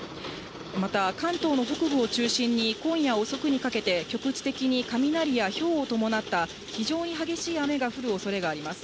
また、関東の北部を中心に今夜遅くにかけて、局地的に雷やひょうを伴った非常に激しい雨が降るおそれがあります。